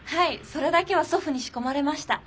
それだけは祖父に仕込まれました。